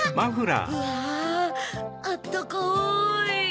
うわあったかい！